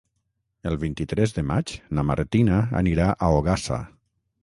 El vint-i-tres de maig na Martina anirà a Ogassa.